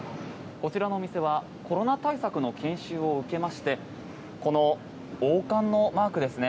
こちらのお店はコロナ対策の研修を受けましてこの王冠のマークですね。